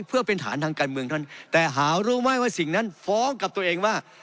เพื่อเป็นฐานทางการเมืองท่านแต่หารู้ไหมว่าสิ่งนั้นฟ้องกับตัวเองว่า